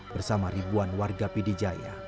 bersama ribuan warga pd jaya